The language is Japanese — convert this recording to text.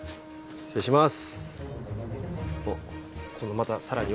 失礼します。